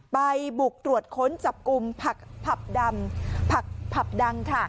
ไปบุกตรวจค้นจับกลุ่มผักผับดัง